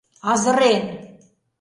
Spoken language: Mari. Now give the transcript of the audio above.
Азырен!